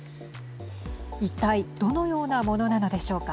一体、どのようなものなのでしょうか。